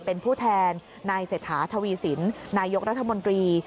เป็นผู้แทนนายเศรษฐาทวีสินนายกรัฐมนตรี